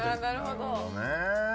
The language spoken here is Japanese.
なるほどね。